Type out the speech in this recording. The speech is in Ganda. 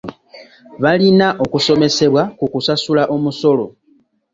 Balina okusomesebwa ku kusasula omusolo.